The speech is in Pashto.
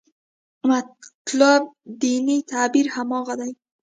مطلوب دیني تعبیر هماغه دی.